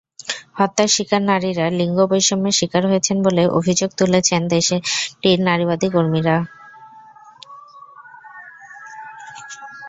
হত্যার শিকার নারীরা লিঙ্গবৈষম্যের শিকার হয়েছেন বলে অভিযোগ তুলেছেন দেশটির নারীবাদী কর্মীরা।